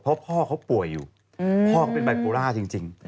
เพราะว่าพ่อเขาป่วยอยู่พ่อก็เป็นแบบปุร่าจริง